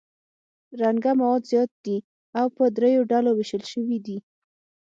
رنګه مواد زیات دي او په دریو ډولو ویشل شوي دي.